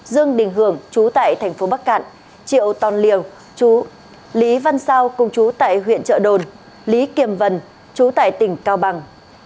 dương đình hưởng chú tại thành phố bắc cạn triệu tòn liều chú lý văn sao cùng chú tại huyện chợ đồn lý kiềm vân chú tại tỉnh cao bằng